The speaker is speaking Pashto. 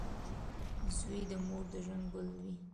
• زوی د مور د ژوند ګل وي.